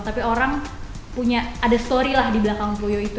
tapi orang punya ada story lah di belakang puyo itu